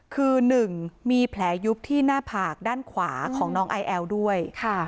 คือ๑มีแผลยุบที่หน้าผากด้านขวาของน้องไอแอลด้วย